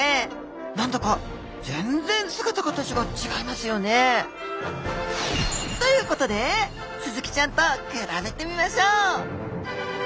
何だか全然姿形が違いますよね。ということでスズキちゃんと比べてみましょう！